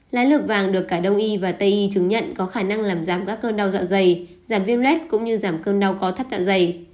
lái lược vàng được cả đông y và tây y chứng nhận có khả năng làm giảm các cơn đau dạ dày giảm viêm lết cũng như giảm cơn đau có thắt tạ dày